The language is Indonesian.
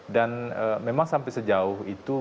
memang sampai sejauh itu